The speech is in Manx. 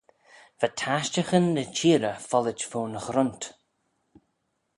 Va tashtaghyn ny çheerey follit fo'n ghrunt.